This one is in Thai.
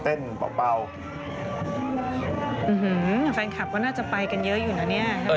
แฟนคลับก็น่าจะไปกันเยอะอยู่นะเนี่ย